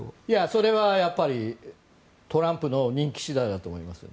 それはトランプの人気次第だと思いますよ。